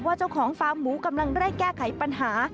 ว่าเจ้าของฟ้าหมูกำลังได้แก้ไขปัญหา